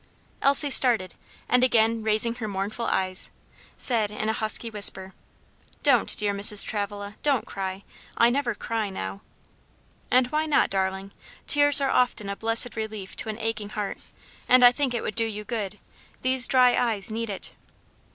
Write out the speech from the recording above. Elsie started, and again raising her mournful eyes, said, in a husky whisper, "Don't, dear Mrs. Travilla don't cry. I never cry now." "And why not, darling? Tears are often a blessed relief to an aching heart, and I think it would do you good; these dry eyes need it."